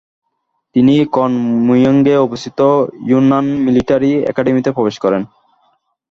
তিনি কুনমিংয়ে অবস্থিত Yunnan military একাডেমিতে প্রবেশ করেন।